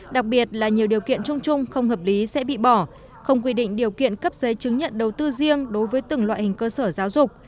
đặc biệt là nhiều điều kiện chung chung không hợp lý sẽ bị bỏ không quy định điều kiện cấp giấy chứng nhận đầu tư riêng đối với từng loại hình cơ sở giáo dục